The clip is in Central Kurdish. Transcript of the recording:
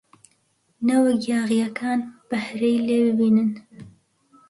نەوەک یاغییەکان بەهرەی لێ ببینن!